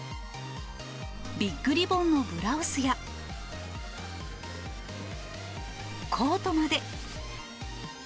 ビッグリボンのブラウスやコートまで。